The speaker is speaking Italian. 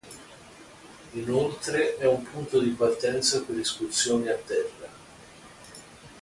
Inoltre è un punto di partenza per escursioni a terra.